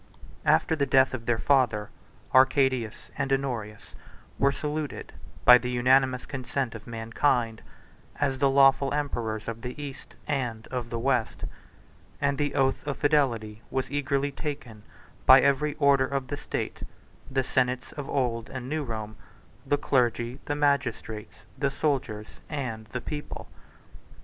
After the death of their father, Arcadius and Honorius were saluted, by the unanimous consent of mankind, as the lawful emperors of the East, and of the West; and the oath of fidelity was eagerly taken by every order of the state; the senates of old and new Rome, the clergy, the magistrates, the soldiers, and the people.